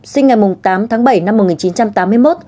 sinh ngày tám tháng bảy năm một nghìn chín trăm tám mươi một